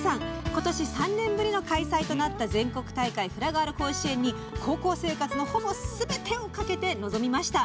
今年３年ぶりの開催となった全国大会のフラガールズ甲子園に高校生活のほぼすべてをかけて臨みました。